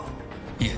いえ。